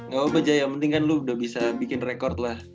gak apa jaya yang penting kan lu udah bisa bikin rekod lah